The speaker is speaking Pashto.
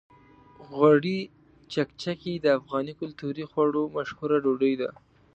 غوړي چکچکي د افغاني کلتوري خواړو مشهوره ډوډۍ ده.